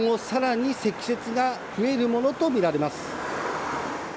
今後、さらに積雪が増えるものとみられます。